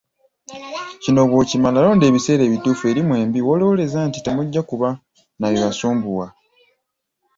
Kino bw’okimala londa ebiseera ebituufu eri mwembi, w’olowooleza nti temujja kuba na bibasumbuwa.